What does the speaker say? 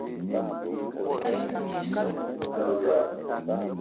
A ne odzap